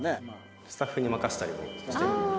スタッフに任せたりもしてるんで。